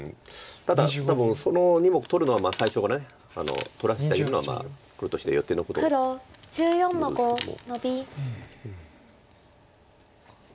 ただ多分その２目取るのは最初から取らせてるのは黒としては予定のことということですけども。